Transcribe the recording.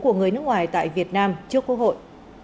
các người nước ngoài tại việt nam trước cơ hội